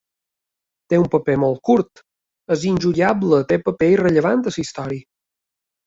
Té un paper molt curt, és injugable té paper irrellevant a la història.